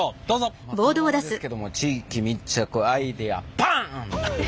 そのままですけども「地域密着アイデアパーン！！」。